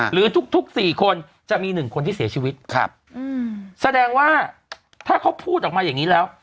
หรือทุก๔คนจะมีหนึ่งคนที่เสียชีวิตแสดงว่าถ้าเขาพูดออกมาอย่างนี้แล้ว